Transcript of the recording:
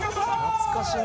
懐かしの」